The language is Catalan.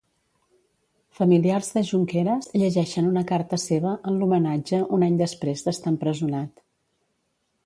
Familiars de Junqueres llegeixen una carta seva en l'homenatge un any després d'estar empresonat.